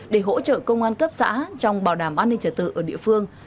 để hỗ trợ công an cấp xã trong bảo đảm an ninh trả tự ở địa phương